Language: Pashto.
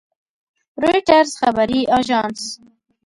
رویټرز خبري اژانس